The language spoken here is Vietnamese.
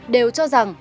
đều cho rằng